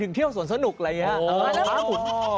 เที่ยวสวนสนุกอะไรอย่างนี้